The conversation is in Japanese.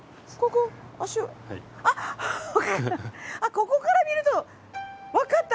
ここから見るとわかった！